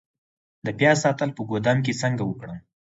د پیاز ساتل په ګدام کې څنګه وکړم؟